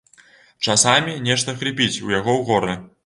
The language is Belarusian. Часамі нешта хрыпіць у яго горле.